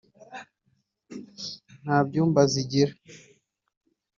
nta byumba zigira